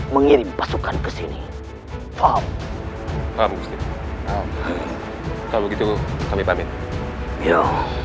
mengirim pasukan kesini paham paham kalau begitu kami pamit ya